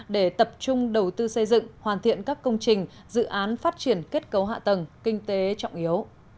để tập trung đầu tư xây dựng hoàn thiện các công trình dự án phát triển kết cấu hạ tầng kinh tế trọng yếu